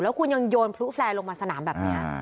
คุณยังโยนพลุแฟร์ลงมาสนามแบบนี้